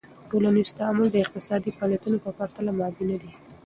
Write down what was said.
ټولنیز تعامل د اقتصادی فعالیتونو په پرتله مادي ندي.